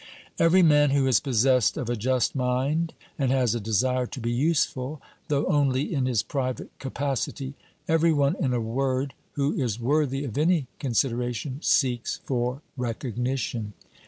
Every man who is possessed of a just mind and has a desire to be useful, though only in his private capacity ; every one, in a word, who is worthy of any considera tion, seeks for recognition.